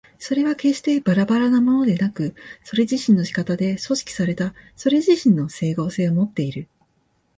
それは決してばらばらなものでなく、それ自身の仕方で組織されたそれ自身の斉合性をもっている。